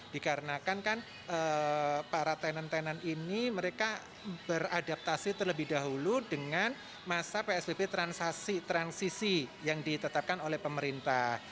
dikarenakan kan para tenan tenan ini mereka beradaptasi terlebih dahulu dengan masa psbb transisi yang ditetapkan oleh pemerintah